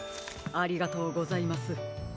ありがとうございます。